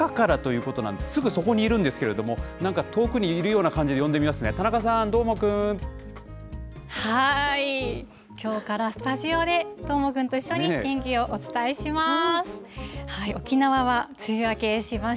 きょうはスタジオの中からということなんで、すぐそこにいるんですけれども、なんか遠くにいるような感じで呼んでみますね、田中きょうからスタジオで、どーもくんと一緒に天気をお伝えします。